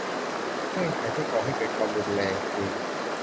เงื่อนไขที่ก่อให้เกิดความรุนแรง คือ